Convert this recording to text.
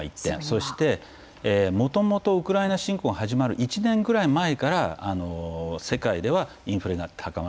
そしてもともとウクライナ侵攻始まる１年ぐらい前から世界ではインフレが高まっていたと。